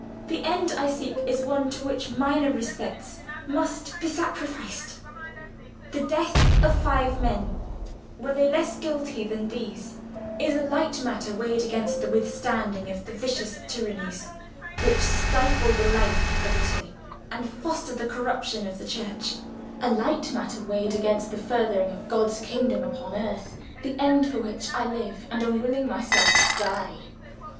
The end I seek is one to which minor respects must be sacrificed. The death of five men—were they less guilty than these—is a light matter weighed against the withstanding of the vicious tyrannies which stifle the life of Italy, and foster the corruption of the Church; a light matter weighed against the furthering of God's kingdom upon earth, the end for which I live and am willing myself to die."